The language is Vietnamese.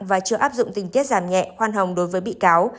và chưa áp dụng tình tiết giảm nhẹ khoan hồng đối với bị cáo